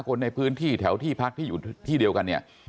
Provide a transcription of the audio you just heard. คนในพื้นที่แถวที่พักที่อยู่ที่เดียวกันเนี่ย